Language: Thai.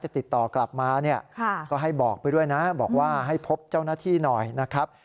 ติดต่อกลับมาเนี่ยก็ให้บอกไปด้วยนะบอกว่าให้พบเจ้าหน้าที่หน่อยนะครับ